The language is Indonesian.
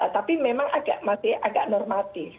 tapi memang masih agak normatif